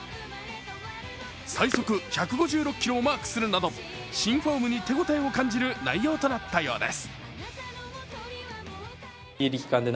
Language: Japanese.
最速１５６キロをマークするなど新フォームに手応えを感じる内容となったようです。